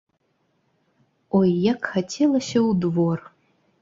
Ой, як хацелася ў двор!